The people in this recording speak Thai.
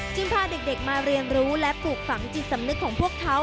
พาเด็กมาเรียนรู้และปลูกฝังจิตสำนึกของพวกเขา